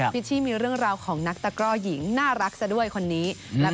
ชชี่มีเรื่องราวของนักตะกร่อหญิงน่ารักซะด้วยคนนี้